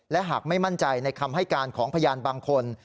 และหากไม่มั่นใจในคำให้การของพยานบางคน